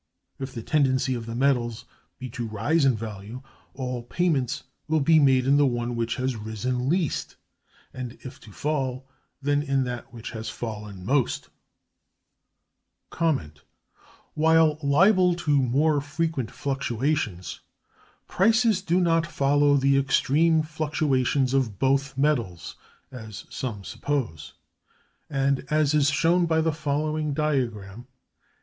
If the tendency of the metals be to rise in value, all payments will be made in the one which has risen least; and, if to fall, then in that which has fallen most. While liable to "more frequent fluctuations," prices do not follow the extreme fluctuations of both metals, as some suppose, and as is shown by the following diagram.